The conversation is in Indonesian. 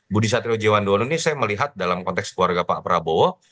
budi satriojiwandono ini saya melihat dalam konteks keluarga pak prabowo